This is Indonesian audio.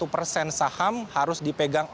lima puluh persen saham harus dipegang